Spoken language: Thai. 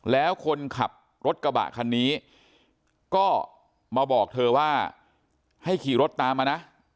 แล้วคนขับรถกระบะคันนี้ก็มาบอกเธอว่าให้ขี่รถตามมานะ